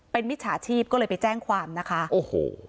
เป็นมิจฉาชีพก็เลยไปแจ้งความนะคะโอ้โห